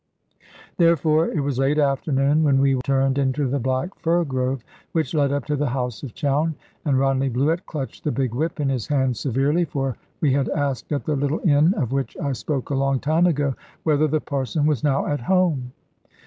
Therefore it was late afternoon when we turned into the black fir grove which led up to the house of Chowne, and Rodney Bluett clutched the big whip in his hand severely. For we had asked at the little inn of which I spoke a long time ago, whether the Parson was now at home.